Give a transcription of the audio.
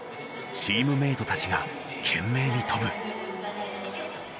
チームメートたちが懸命に飛ぶ。